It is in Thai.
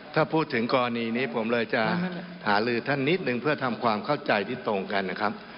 ถ้าพูดถึงกรณีนี้ผมเลยจะหาลือท่านนิดนึงเพื่อทำความเข้าใจที่ตรงกันนะครับ